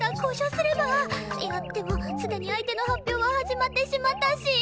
いやでもすでに相手の発表は始まってしまったし。